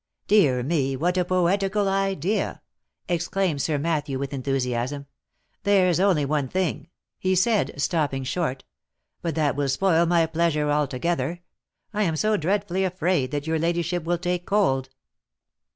" Dear me ! what a poetical idea !" exclaimed Sir Matthew with enthusiasm. " There's only one thing," he said, stopping short, "but that will spoil my pleasure altogether: I am so dreadfully afraid that your ladyship will take cold."